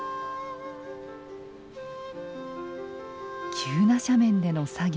急な斜面での作業。